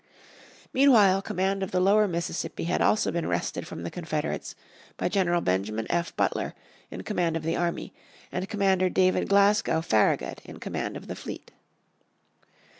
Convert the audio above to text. Meanwhile command of the lower Mississippi had also been wrested from the Confederates by General Benjamin F. Butler in command of the army, and Commander David Glasgow Farragut in command of the fleet.